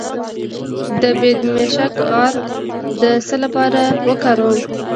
د بیدمشک عرق د څه لپاره وکاروم؟